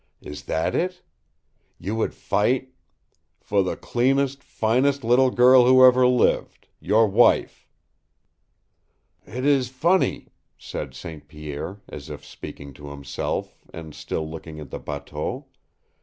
Is that it? You would fight " "For the cleanest, finest little girl who ever lived your wife!" "It is funny," said St. Pierre, as if speaking to himself, and still looking at the bateau.